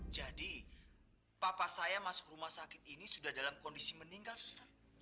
jadi papa saya masuk rumah sakit ini sudah dalam kondisi meninggal susten